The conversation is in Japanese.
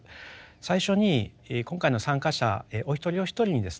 最初に今回の参加者お一人お一人にですね